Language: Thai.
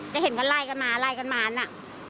เห็นก็ไล่กันมาไล่กันมาน่ะ